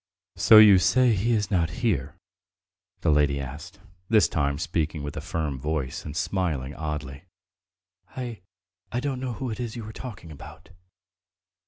"So you say he is not here?" the lady asked, this time speaking with a firm voice and smiling oddly. "I ... I don't know who it is you are asking about."